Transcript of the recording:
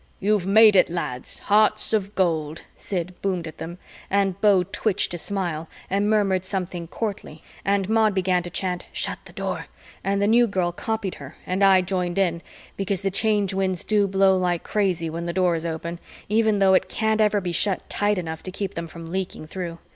"You've made it, lads, hearts of gold," Sid boomed at them, and Beau twitched a smile and murmured something courtly and Maud began to chant, "Shut the Door!" and the New Girl copied her and I joined in because the Change Winds do blow like crazy when the Door is open, even though it can't ever be shut tight enough to keep them from leaking through.